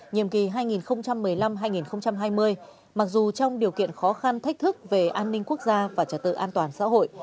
nhiệm kỳ hai nghìn một mươi năm hai nghìn hai mươi mặc dù trong điều kiện khó khăn thách thức về an ninh quốc gia và trật tự an toàn xã hội